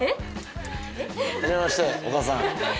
はじめましてお母さん。